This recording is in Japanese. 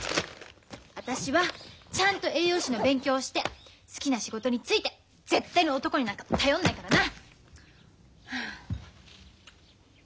私はちゃんと栄養士の勉強して好きな仕事に就いて絶対に男になんか頼んないからな！